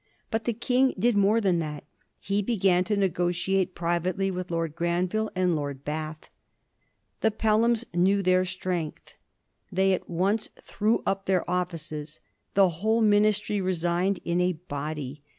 But the King did more thai) that: he began to negotiate privately with Lord Granville and Lord Bath. The Pelhams knew their strength. They at once threw up their offices ; the whole Ministry resigned in a body.